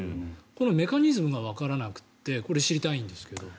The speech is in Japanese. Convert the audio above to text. このメカニズムがわからなくてこれを知りたいんですが。